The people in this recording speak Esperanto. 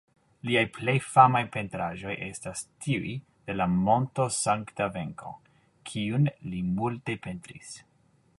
Liaj plej famaj pentraĵoj estas tiuj de la monto Sankta-Venko kiun li multe pentris.